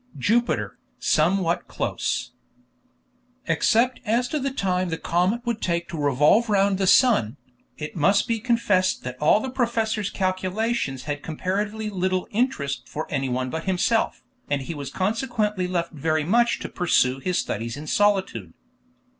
JUPITER SOMEWHAT CLOSE Except as to the time the comet would take to revolve round the sun, it must be confessed that all the professor's calculations had comparatively little interest for anyone but himself, and he was consequently left very much to pursue his studies in solitude.